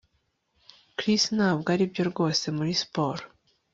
Chris ntabwo aribyo rwose muri siporo